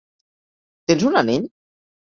Tens un anell?